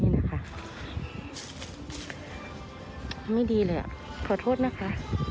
นี่นะคะไม่ดีเลยอ่ะขอโทษนะคะ